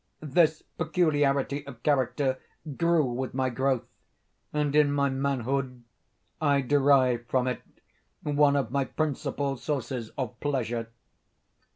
This peculiarity of character grew with my growth, and in my manhood, I derived from it one of my principal sources of pleasure.